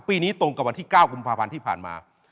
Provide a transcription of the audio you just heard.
ปีนี้ตรงกับวันที่๙กุมภาพันธ์ที่ผ่านมา